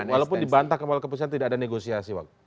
walaupun dibantah kepala kepolisian tidak ada negosiasi